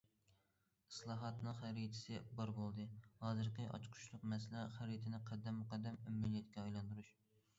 ئىسلاھاتنىڭ خەرىتىسى بار بولدى، ھازىرقى ئاچقۇچلۇق مەسىلە خەرىتىنى قەدەممۇ قەدەم ئەمەلىيەتكە ئايلاندۇرۇش.